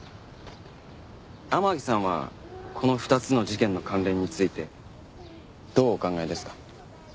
天樹さんはこの２つの事件の関連についてどうお考えですか？